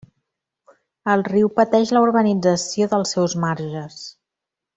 El riu pateix la urbanització dels seus marges.